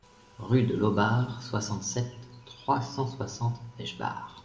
Rue de Laubach, soixante-sept, trois cent soixante Eschbach